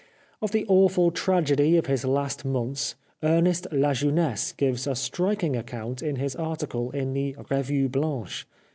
Of the awful tragedy of his last months Ernest La Jeunesse gives a striking account in his article in the Revue Blanche.